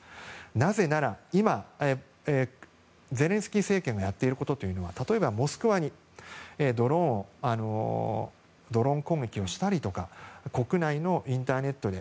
なぜなら今、ゼレンスキー政権のやっていることは例えばモスクワにドローン攻撃をしたりとか国内のインターネットに